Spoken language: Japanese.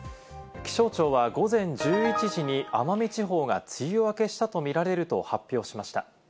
気象庁は午前１１時に奄美地方が梅雨明けしたとみられると発表しました。